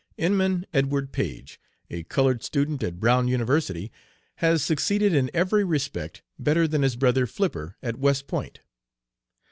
"Inman Edward Page, a colored student at Brown University, has succeeded in every respect better than his brother Flipper at West Point.